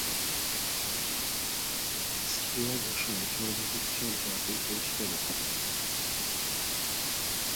শ্রেয়া ঘোষাল সর্বাধিক সাতবার এই পুরস্কার লাভ করেন।